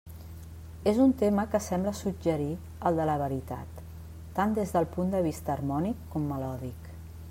És un tema que sembla suggerir el de la veritat, tant des del punt de vista harmònic com melòdic.